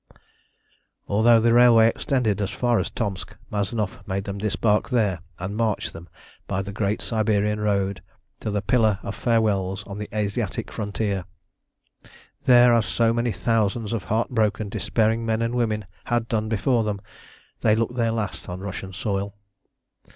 Although the railway extended as far as Tomsk, Mazanoff made them disembark here, and marched them by the Great Siberian road to the Pillar of Farewells on the Asiatic frontier. There, as so many thousands of heart broken, despairing men and women had done before them, they looked their last on Russian soil.